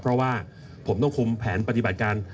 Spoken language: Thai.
เพราะว่าผมต้องคุมแผนปฏิบัติการ